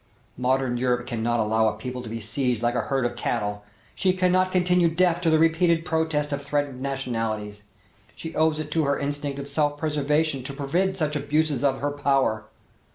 Modern Europe cannot allow a people to be seized like a herd of cattle; she cannot continue deaf to the repeated protest of threatened nationalities. She owes it to her instinct of self preservation to forbid such abuses of her power.